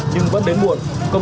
nhưng vẫn đến muộn